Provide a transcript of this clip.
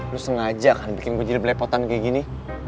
lo sengaja kan bikin gue jelek lepotan kayak gini